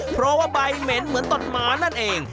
เพราะว่าใบเหม็นเหมือนตดหมานั่นเอง